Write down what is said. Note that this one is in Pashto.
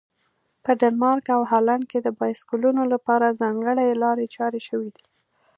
په ډنمارک او هالند کې د بایسکلونو لپاره ځانګړي لارې چارې شوي دي.